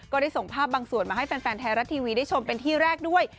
ก็ได้ส่งภาพบางส่วนมาให้แฟนไทยรัฐทีวีได้ชมเป็นที่แรกด้วย